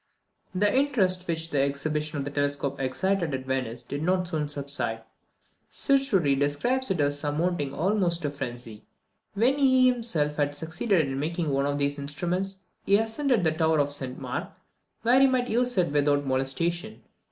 The interest which the exhibition of the telescope excited at Venice did not soon subside: Sirturi describes it as amounting almost to phrensy. When he himself had succeeded in making one of these instruments, he ascended the tower of St Mark, where he might use it without molestation.